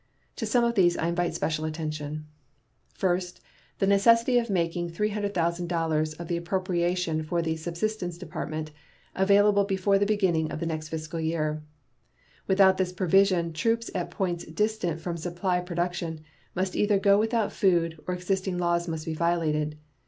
To some of these I invite special attention: First. The necessity of making $300,000 of the appropriation for the Subsistence Department available before the beginning of the next fiscal year. Without this provision troops at points distant from supply production must either go without food or existing laws must be violated.